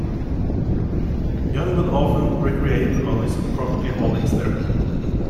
Young would often recreate on his property holdings there.